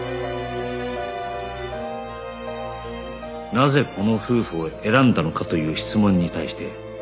「なぜこの夫婦を選んだのか？」という質問に対して